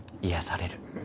癒やされる。